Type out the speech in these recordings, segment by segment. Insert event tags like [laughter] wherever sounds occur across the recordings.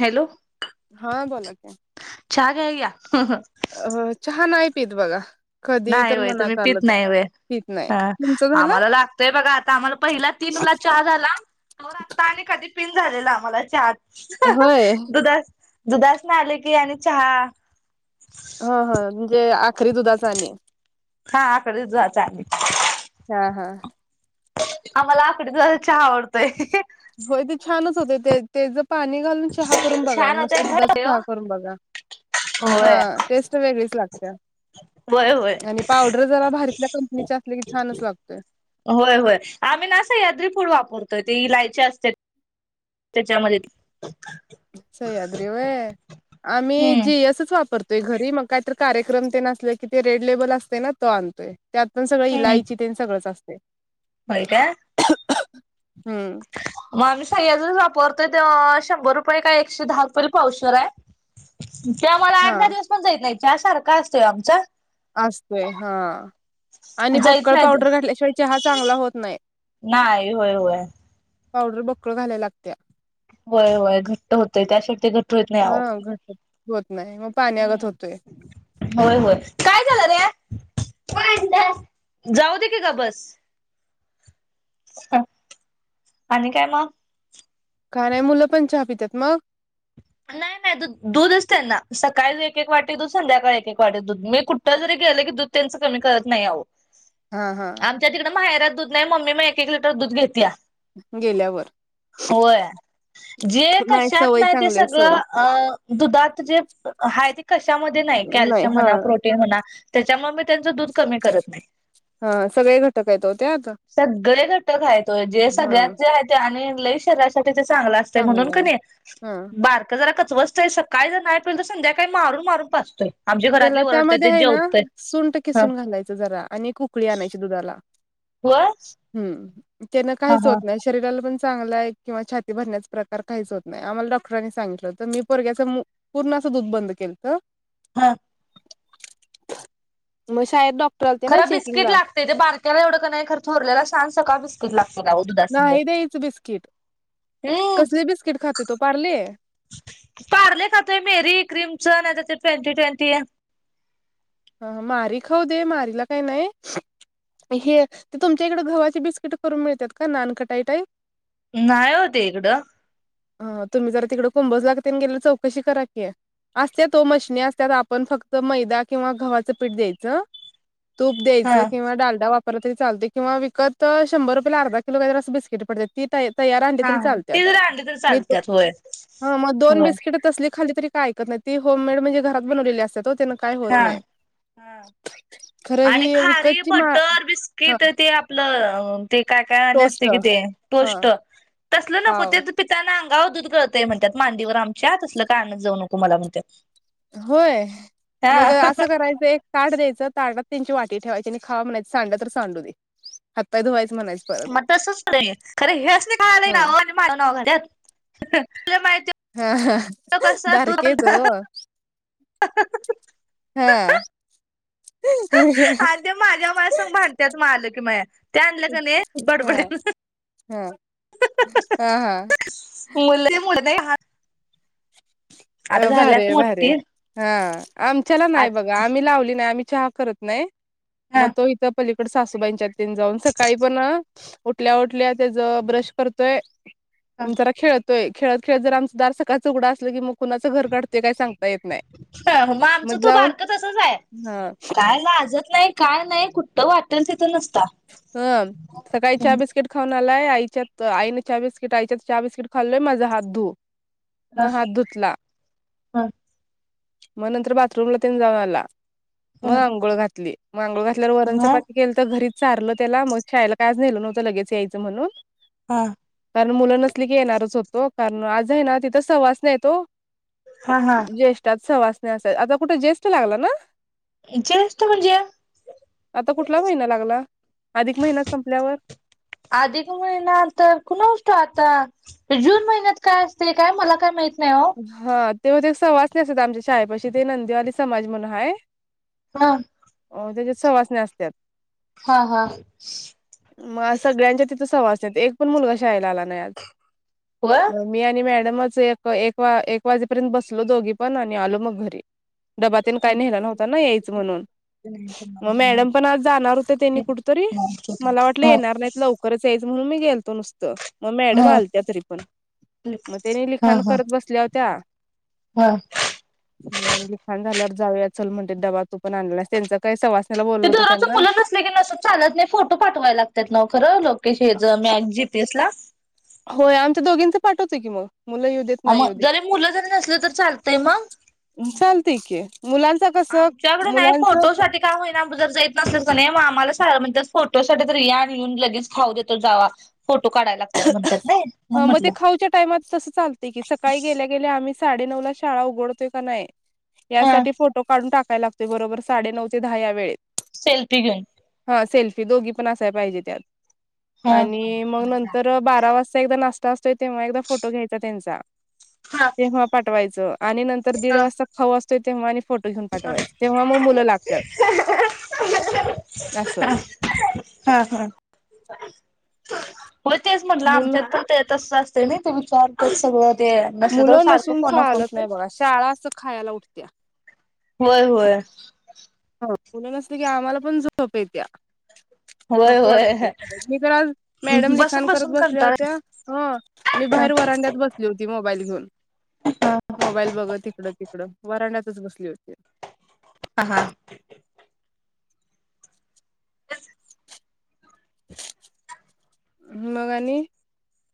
Hello. हा बोला कि चहा घ्याय या अ चहा नाही पित बघ नाही होय तुम्ही पित नाही होय पीत ह. नाही तुमचं झालं आम्हाला लागतंय बघा आता आम्हाला पहिला तीन ला चहा झाला. मग आत्ता आणि कधी पिन झालेला आम्हाला चहा होय. दुधासनं आले की आणि चहा ह ह. म्हणजे आखरी दुधाचा आणि हां आकडी दुधाचा हा हा. आम्हाला आकडी दुधाचा चहा आवडतोय. होय, ते छानच होते ते पाणी घालून चहा करून बघा छान आणि होतय नुसतं दुधाचा घरी ओ चहा करून बघा. हा होय टेस्ट वेगळीच लागत्या. होय होय आणि पावडर जरा भारीतल्या कंपनीची असली की छानच लागतोय. होय होय आम्ही ना सह्याद्री पूड वापरतो. तर ते इलायची असते त्याच्यामध्ये. सह्याद्री व्हय. आम्ही हम्म जीयसच वापरतोय घरी मग काय कार्यक्रम ते असले कि ते रेड लेबल असते ना तो आणतोय. त्यात पण सगळं हम्म इलाईची तेन सगळंच असत. होय का? हम्म. म आम्ही सह्याद्रीच वापरतोय ते शंभर रुपये का एकशे दहा रुपयेला पावशेर हाय त्या मला आठ हा दहा दिवस पण [unintelligible] सारखा असतोय आमचा. असतोय हां आणि जाईत बक्कळ नाही पावडर घातल्याशिवाय चहा चांगला होत नायी. होय नाही होय. पावडर बक्कळ घायला लागत्या. व्हय व्हय. घट्ट होतंय. त्या शिवती तर हा घट होत नाही मग पाण्यागत हम्. होतोय होय होय काय झालं रे? जाऊ दे की गब बस. आणि काय म? का नाहीय मुलं पण चाहा पित्यात मग? नाय नाय. द दूध असते ना सकाळी एक एक वाटी दूध संध्याकाळी एक एक वाटी दूध मी कुठं जरी गेलं की दूध त्यांचं कमी करत नाही आहो. हा हा आमच्या तिकडंक माहेरात दूध नायी. मम्मी मग एक एक लिटर दूध घेतीया. गेल्यावर होय. जे कशात सवय नाही ते चांगली आहे सोडा सगळं अ दुधात जे हाये ते कशामध्ये नायी. नाही कॅलशम हा म्हणा, प्रोटीन म्हणा, त्याच्यामुळं मी त्यांचं दूध कमी करत नाही. हा सगळे घटक आहेत ओ त्यात सगळे घट्ट खायतोय जे हा सगळ्यात जे आहे ते आणि लै शरीरासाठी ते चांगलं असतंय म्हणून चांगलं क आहे नै हा बारकं जरा कचवसतय, सकाळी जर नायी पिलं तर संध्याकाळी मारून मारून पास त्याला त्यामध्ये हाय, ना सुंठ हं किसून घालायचं जरा आणि एक उकळी आणायची दुधाला. होय हम्म त्यानं हा काहीच हा होत नाही, शरीराला पण चांगलाए किंवा छाती भरण्याचं प्रकार काहीच होत नाय. आम्हाला डॉक्टरांनी सांगितलं होतं, मी पोरग्याचं म पूर्ण दूध बंद केलतं. [unintelligible] मग शाळेत डॉक् खरं बिस्किट लागतंय, ते बाारक्याला एवढं का नाही पन थोरल्याला सान सकाळ बिस्किट लागतं नाही द्यायचं बिस्किट. कसली बिस्किट खाते तो पारले? पारले खातोय मेरी क्रिमच नाही तर ते ट्वेंटी ट्वेंटी हा मारी खाऊ दे मारीला काय नाही. हे ते तुमच्या इकडें गव्हाची बिस्किट करून मिळतात का नानकटाई टाईप नाही ओ ते इकडं. कुंबोजलाग गेली चौकशी करा कि असतेत ओ मशनी असतात आपण फक्त मैदा किंवा गव्हाचं पीठ द्यायचं तूप हा द्यायचं किंवा डालडा वापर दिल तरी चालते किंवा विकत शंभर रुपयाला अर्धा किलो काय तर असं बिस्कीट पडते ती तैयार आणले हा तरी हा चालते ते जर आणले तर चालत्यात होय. हा मग दोन होय बिस्कीट तसले खाली तरी काय ऐकत नाही ती होमेड म्हणजे घरात बनवलेली असतात ओ ते ना काय होत हा नाही. हा. खरं आणि ही खारीे विकतची मा बटर हा बिस्किट ते आपलं ते काय काय आणि टोस्ट असते कि ते हा टोस्ट तसलं नको पाव ते पिताना गाव दूध गळतंय म्हणतात मांडीवर आमच्या तसलं काय आणत जाऊ नको मला म्हणतात होय मग असं करायच एक ताट द्यायचं ताटात त्यांची वाट ठेवायची आणि खावा म्हणायचं सांडा तर सांडू द हातपाय धुवायचे मग तसच खरे हयासनी खायला येईना ह नाव आणि माझ नाव घ तुला माहिती हा कसं दूध बारकित ओ [unintelligible] हा. माझं माझ्या मला सग भांडतात मग आलं की ते आणलं का नाही बडबड हा हा हा. अ हा [unintelligible] अ भारी भारी आहे आमच्याला नाही आज बघा आम्ही लावली नाही आम्ही चहा करत नाही हा मग तो इथं पलीकडे सासूबाईंच्यात जाऊन सकाळी पण उठल्या उठल्या त्याच ब्रश करतोय जरा खेळतो. तोय खेळत खेळत जर आमचं दार सकाळच उघड असलं की मग कुणाच घर गाठतो कि नाही सांगता येत नाही. मग आमचं तो बारक तसंच आहे हा काय लाजत नाही काय नाही कुठं वाटेल तिथे नसतं हा सकाळी चहा बिस्किट खाऊन खाल्लाय आईने चहा बिस्किट आईच्यात चहा बिस्किट खाल्लोय माझ हात धु मग हात धुतला हा मग नंतर बाथरूमला तन जाऊन आला मग आंघोळ घातली. मग अंघोळ घातल्यावर हा वरणचापाती केलंत घरीच चारलं त्याला मग शाळेला काय आज नेलं नव्हतं लगेच यायचं म्हणून. हा कारण मुलं नसली की येणारच होतो. कारण आज आहे ना तिथ सहवासन आहेत हो. हा हा ज्येष्ठात सहवासन असत. आता कुठे ज्येष्ठ लागला ना. जष्ट म्हणजे? आता कुठला महिना लागला अधिक महिना संपल्यावर अधिक महिना तर कुणा ठाऊ आता जून महिन्यात काय असते. काय मला काय माहित. नाही हो हा तेव्हा ते सवासन असतात आमच्या शाळेपाशी. ते नंदीवाली समाज म्हणून आहे. हा अ त्याच्यात सवासन असत्याात. हा हा मग सगळ्यांच्या ति सवासन आहे. एक पण मुलगा शाळेला आला नाही आज. हो हा मी आणि मॅडमच एक एक एक वाजेपर्यंत बसलो दोघी पण. आणि आलो मग घरी. डबातेन काय नेला नव्हता ना यायचं म्हणून. मग मॅडम पण आज जाणार होते त्यांनी कुठेतरी. मला वाटलं येणार नाहीत लवकरच या म्हणून मी गेलतो नुसत. मग मॅडम हा आलत्या तरी पण. मग त्या हा लिखाण करत बसल्या होत्या. हा लीखण झाल्यावर जाऊया चल म्हणल डबा तुपण आणला नाहीस त्यांचा काय सवासन ते दरोच मुलं नसले की नसल चालत नाही. फोटो पाठवाय लागतात ना खरं. ल कशी याच मॅच जितीेसला होय आमच्या दोघींच पाठवतोय की मग. मुलं येऊ देत नाही येऊ मग देत जरी मुलं जरी नसले तर चालतंय मग चालतय की. मुलांच कसं आमच्याकड नाही मुलांच फोटोसाठी काय होईना जर जात नसल तर नाही मग आम्हाला म्हण फोटोसाठी यान येऊन लगेच खाऊ देतो जावा. फो ह मग ते खाऊच्या टायमात तस चालतय की. सकाळी गेल्या गेल्या आम्ही साडे नऊला शाळा उघडतोय का नाही हा यासाठी फोटो काढून टाक काय लागतो बरोबर साडे नऊ ते दहा या वेळेत. सेल्फी घेऊन. सेल्फी दोघी पण असाय पाहिजे त्यात. हा आणि मग बारा वाजता एक नाश्ता असतोय तेव्हा एकदा फोटो घ्यायचा त्यांचा. हा तेव्हा पाठवायचं. आणि नंतर दीड हा वाजता खाऊ असतोय तेव्हा आणि फोटो घेऊन पाठवायचे तेव्हा मग मुलं लागतात. अस हा हा हो तेच म्हटलं मुल आमच्यात पण ते तसं असते ना. ते विचारत सगळं ते नसलं तर मुलं सारखं नसून फोन फोन चालत नाही बघा. शाळा असं खायला उठत्या. होय होय. मुलं नसलं की आम्हाला पण झोप येत्या. होय नको वाटत ते. होय मी तर आज मॅडम बसून लिखाण करत बसून बसल्या कंटाळा होत्या. अ मी हा बाहेर व्हरांड्यात बसली होती मोबाईल घेऊन. हा मोबाईल बघत तिकडं तिकडं वाराड्यांतच बसली होती. [unintelligible] मग आणि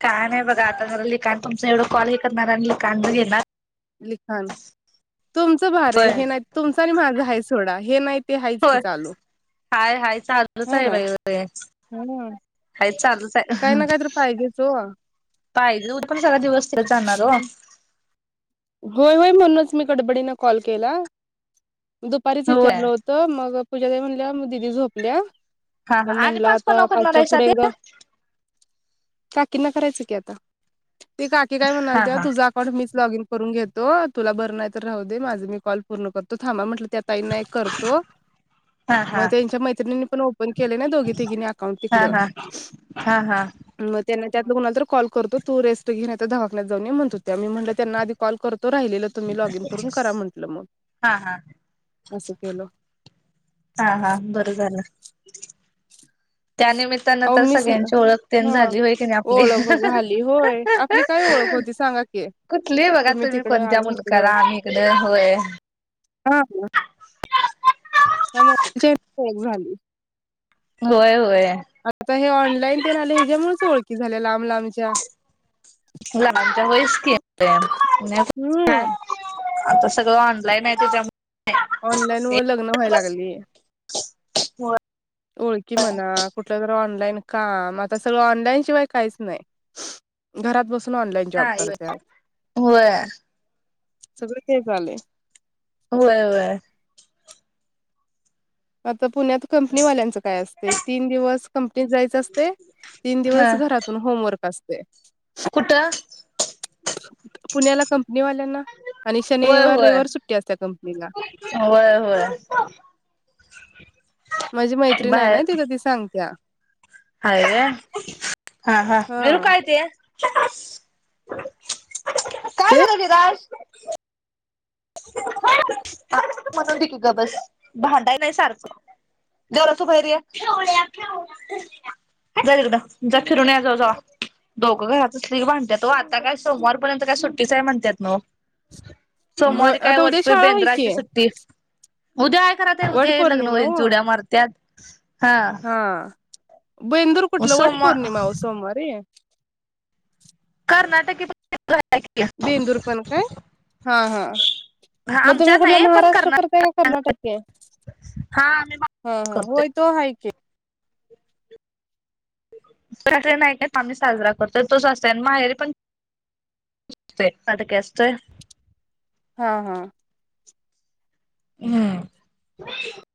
काय नाही बघा आता जरा लिखाण तुमचं एवढं कॉल हे करणार. आणि लिखान ब घेणार. लिखाण तुमचं भार आहे होय हे नाही तुमचं आणि माझं आहे सोडा हे नाही ते आहेच की होय चालु. हाय हाय चाललच आहे बाई. ह आहे चालूच काही आहे. ना काही तर पाहिजेच ओ पाहिजे उदे पण सगा दिवस तिकडे जाणार हो होय होय म्हणूनच मी गडबडीने कॉल केला. दुपारीच होय विचारलं होतं मग पूजा म्हणल्या दिदी झोपल्या. हा म हा आणि म्हटलं पाच आता पन्नाव करणार पाचच्या आहेसा पुढे ते एकदा. किना करायचं की आता ते काकी काय हा म्हणालत्या, ते हा तुझं अकाउंट मीच लॉग इन करून घेतो. तुला बर नाही तर राहू दे. माझं मी कॉल पूर्ण करतो थांबा म्हटलं. त्या तई नाही करतो हा मग हा त्यांच्या मैत्रिनी पण प केले ना दोघी तघी अकाउंट हा तिकड हा हा हा मग त्यां त्यांना क कोणाला तर कॉल करतो तू रेस्ट घेन यता धाकण्यात जाऊनी म्हणत त्या मी म्हटलं त्यांना आधी कॉल करतो तो राहिलेला तुम्ही लॉग इन करून करा म्हंटलं मग हा हा असं केलं हा हा बरं झालं त्यानिमित्तानं अहो तर मीच सगळ्यांची ओळखते हा झाली होई की नाही आपली ओळख झाली होय आपली काय ओळख सांगा की कुठली बघा तुम्ही तिकडं कोणत्या आम्ही मुलकाला आम्ही इकडे होय हम हम त्या झाली होय होय आता हे ऑनलाईन तेन आले ह्याच्यामुच ओळखी झाल्या लांब लांबच्या बांच्या वईच क आता सगळं ऑनलाईन आहे त्याच्या ऑनलाईन मुळे लग्न व्हायला स लागली हो ओळखी म्हणा कुठलं ज ऑनलाईन काम सगळ ऑनलाईन शिवाय काहीच नाही घरात बस ऑलाईन जॉब नाही करत्या होय सगळं तेच आलंय. होय वय. तर पुण्यात कंपनीवाल्यांचं काय असतं तीन दिवस कंपनीत जायचं असतय तीन दिवस ह घरातून होमवर्क असतय. कुठं? पुण्याला कंपनी वाल्यांना. आणि होय शनिवार होय रविवार सुट्टी असत्या कंपनीला. होय होय माझी मैत्रीण आहे बाहेर ना तिथं ती सांगत्या. हाय वय हां हां हा निरु काय ते? ते काय झालं निराश? म्हणू दे की गप्प बस भांडाय नाही सारखं. जरा तू बाहिर ये. जा तिकड जा फिरून या जावा जावा दोघं घरात असलं की भांडत्यात ओ आता काय सोमवारपर्यंत काय सु सुट्टी च हाय म्हणत्यात नव्ह. [inaudible] सोमवारी काय आता उद्या वाटतं शाळा आहे बेंदराची की सुट्टी. उद्या कराल तर वट उद्या हे लग्न होईन चुड्या मारत्यात हा हां बेंदूर कुठलं वट सोमवार पौर्णिमा ओ सोमवारी. कर्नाटकी पण बेंदूर पण काय हां हां. मग तुम्ही आमच्या कुठला नाही पण महाराष्ट्र कर्नाट करताय का कर्नाटकी? हा आम्ही हां हां होय तो आहे की. [unintelligible] नाही का आम्ही साजरा करतोय तोच असतोय आणि माहेरी पण असतोय [unintelligible] हां हां हम्म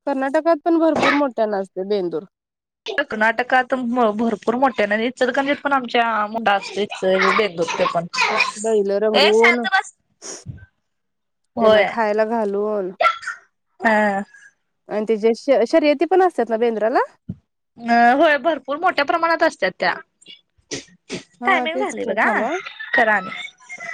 कर्नाटकात पण भरपूर मोठ्यान असतंय बेंदूर. कर्नाटकात भरपूर मोठ्यान आणि इचलकरंजीत पण आमच्या मोठ असतंय. बैल रंगवून. शांत बस त्यांना होय खायला घालून. हा तेच्या शर्यती पण असतात ना बेंदराला? अ होय भरपूर मोठ्या प्रमाणात असत्या त्या. हा टायमिंग तेच झाली की बघा हां थांबा करा आता